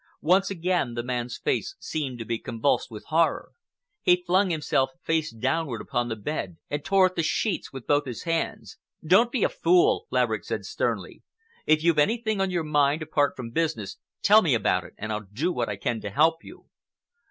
Once again the man's face seemed to be convulsed with horror. He flung himself face downward upon the bed and tore at the sheets with both his hands. "Don't be a fool," Laverick said sternly. "If you've anything on your mind apart from business, tell me about it and I'll do what I can to help you."